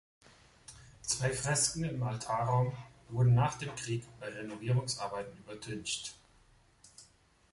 Zwei Fresken im Altarraum wurden nach dem Krieg bei Renovierungsarbeiten übertüncht.